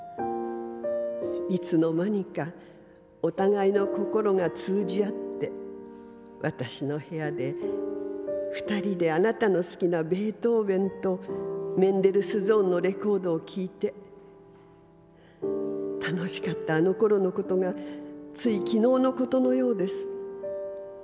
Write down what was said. いつの間にかお互いの心が通じ合って私の部屋で二人であなたの好きなベートーベンとメンデルスゾーンのレコードを聴いて楽しかったあの頃のことがつい昨日のことのようです。